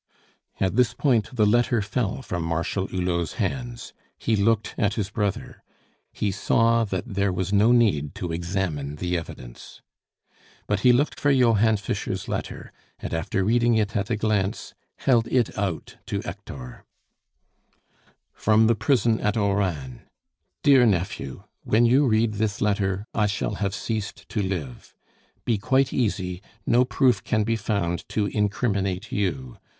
At this point the letter fell from Marshal Hulot's hands; he looked at his brother; he saw that there was no need to examine the evidence. But he looked for Johann Fischer's letter, and after reading it at a glance, held it out to Hector: "FROM THE PRISON AT ORAN. "DEAR NEPHEW, When you read this letter, I shall have ceased to live. "Be quite easy, no proof can be found to incriminate you.